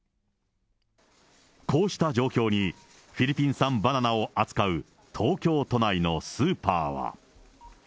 こうした状況に、フィリピン産バナナを扱う東京都内のスーパーは。